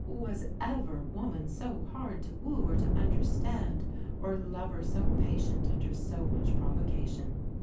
Was ever woman so hard to woo or to understand, or lover so patient under so much provocation?